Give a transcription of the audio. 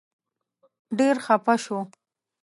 ډېر خپه شو.